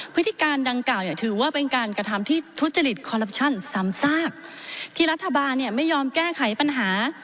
พฤติการดังกล่าวเนี่ยถือว่าเป็นการกระทำที่ทุจริตคอลลับชั่นซ้ำซากที่รัฐบาลเนี่ยไม่ยอมแก้ไขปัญหา